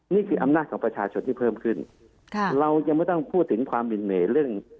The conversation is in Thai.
นี่คืออำนาจของประชาชนที่เพิ่มขึ้นค่ะเรายังไม่ต้องพูดถึงความหินเหมเรื่อง